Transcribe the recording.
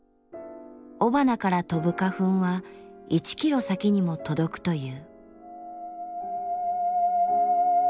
雄花から飛ぶ花粉は１キロ先にも届くという。